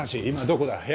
今どこだ？